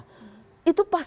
itu pasti wajar